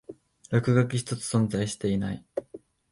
落書き一つ存在していない